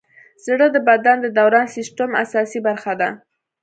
زړه د بدن د دوران سیسټم اساسي برخه ده.